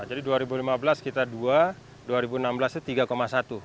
jadi dua ribu lima belas kita dua dua ribu enam belas itu tiga satu